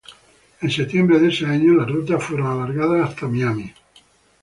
En septiembre de ese año las rutas fueron alargadas hasta Miami.